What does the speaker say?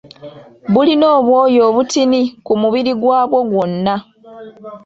Bulina obwoya obutini ku mubiri gwabwo gwonna